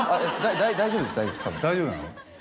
大丈夫なの？